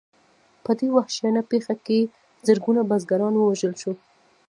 په دې وحشیانه پېښه کې زرګونه بزګران ووژل شول.